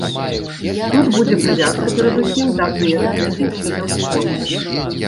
Тут будзе прывязка перадусім да прыярытэтных відаў спорту.